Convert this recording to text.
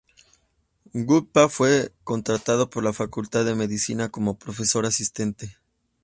Gupta fue contratado por la Facultad de Medicina como profesor asistente.